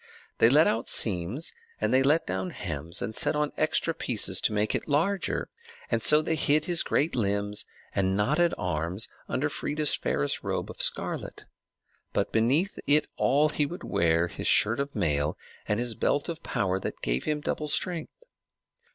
They let out seams, and they let down hems, and set on extra pieces, to make it larger, and so they hid his great limbs and knotted arms under Freia's fairest robe of scarlet; but beneath it all he would wear his shirt of mail and his belt of power that gave him double strength.